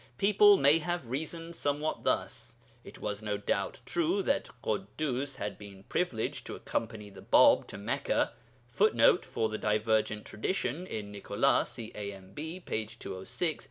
People may have reasoned somewhat thus: It was no doubt true that Ḳuddus had been privileged to accompany the Bāb to Mecca, [Footnote: For the divergent tradition in Nicolas, see AMB, p. 206.